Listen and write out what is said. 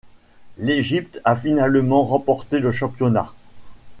L'Egypte a finalement remporté le championnat.